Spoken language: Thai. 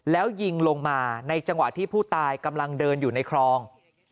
แล้วยิงลงมาในจังหวะที่ผู้ตายกำลังเดินอยู่ในคลอง